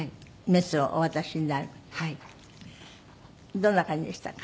どんな感じでしたか？